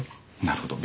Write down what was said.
なるほど。